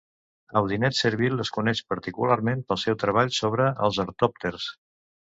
Audinet-Serville es coneix particularment pel seu treball sobre els ortòpters.